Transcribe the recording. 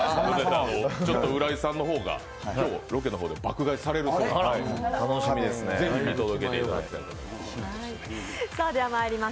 浦井さんの方が今日、ロケの方で爆買いされるそうなので、ぜひ、見届けていただきたいと思います。